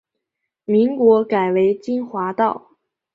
民国改为金华道。